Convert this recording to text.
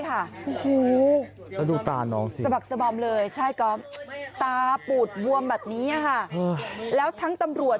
ค่ะโอ้โหสมัครสบอมเลยใช่ก็ตาปูดว่มแบบนี้ค่ะแล้วทั้งตำรวจ